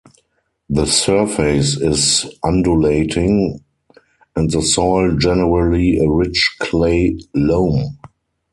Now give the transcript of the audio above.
The surface is undulating, and the soil generally a rich clay loam.